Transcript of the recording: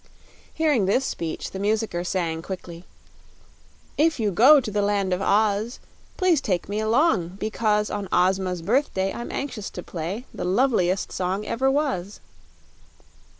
Hearing this speech the musicker sang, quickly: If you go to the Land of Oz Please take me along, because On Ozma's birthday I'm anxious to play The loveliest song ever was.